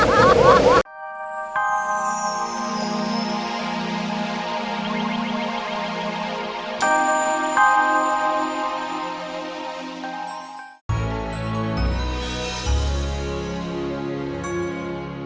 pertahanan pada gerak